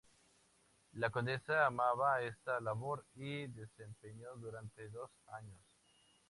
La condesa amaba esta labor y la desempeñó durante dos años.